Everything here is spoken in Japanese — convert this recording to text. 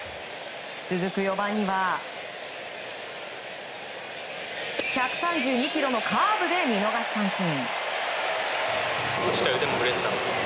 続く４番には、１３２キロのカーブで見逃し三振！